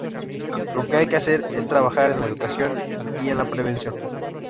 Lo que hay que hacer es trabajar en la educación y en la prevención.